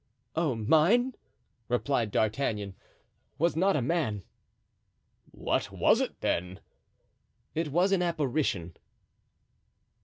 "Oh, mine," replied D'Artagnan, "was not a man." "What was it then?" "It was an apparition."